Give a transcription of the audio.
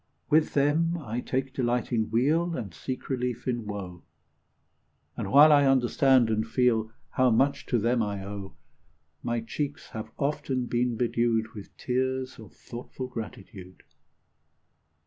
With them I take delight in weal, And seek relief in woe ; And while I understand and feel How much to them I owe, My cheeks have often been bedewed With tears of thoughtful gratitude.